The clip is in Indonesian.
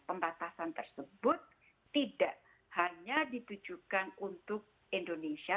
pembatasan tersebut tidak hanya ditujukan untuk indonesia